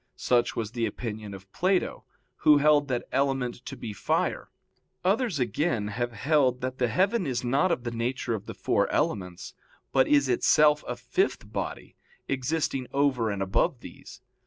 Such was the opinion of Plato, who held that element to be fire. Others, again, have held that the heaven is not of the nature of the four elements, but is itself a fifth body, existing over and above these.